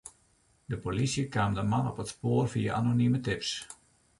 De polysje kaam de man op it spoar fia anonime tips.